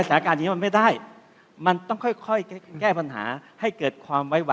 โอกาซไม่ได้